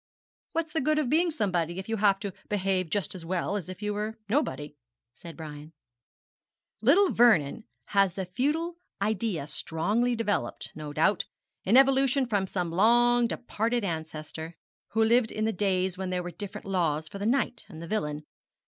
'What's the good of being somebody if you have to behave just as well as if you were nobody?' said Brian. 'Little Vernon has the feudal idea strongly developed; no doubt an evolution from some long departed ancestor, who lived in the days when there were different laws for the knight and the villain.